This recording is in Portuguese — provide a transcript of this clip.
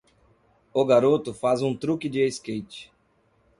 O garoto faz um truque de skate.